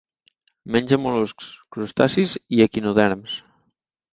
Menja mol·luscs, crustacis i equinoderms.